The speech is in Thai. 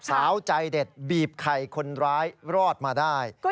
สาวใจเด็ดบีบไข่คนร้ายรอดมาได้